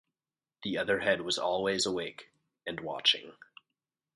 The other head was always awake — and watching.